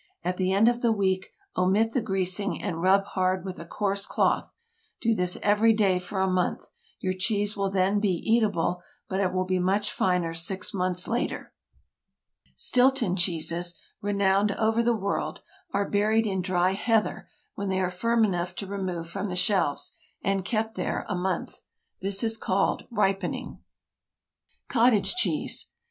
At the end of the week, omit the greasing, and rub hard with a coarse cloth. Do this every day for a month. Your cheese will then be eatable, but it will be much finer six months later. Stilton cheeses—renowned over the world—are buried in dry heather when they are firm enough to remove from the shelves, and kept there a month. This is called "ripening." COTTAGE CHEESE.